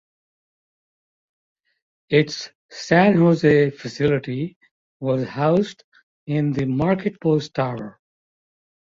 Its San Jose facility was housed in the Market Post Tower.